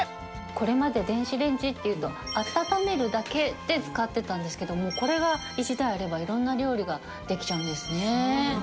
これまで電子レンジっていうと温めるだけで使ってたんですけどもこれが１台あれば色んな料理ができちゃうんですね。